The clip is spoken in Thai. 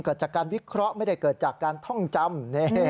เกิดจากการวิเคราะห์ไม่ได้เกิดจากการท่องจำ